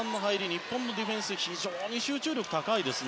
日本のディフェンス非常に集中力が高いですね。